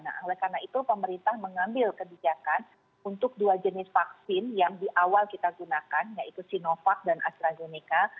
nah oleh karena itu pemerintah mengambil kebijakan untuk dua jenis vaksin yang di awal kita gunakan yaitu sinovac dan astrazeneca